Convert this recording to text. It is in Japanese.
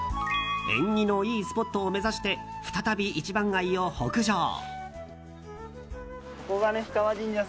縁起のいいスポットを目指して再び一番街を北上。